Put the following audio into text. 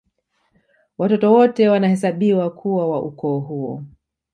Watoto wote wanahesabiwa kuwa wa ukoo huo